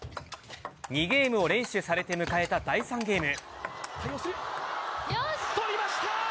２ゲームを連取されて迎えた第３ゲーム。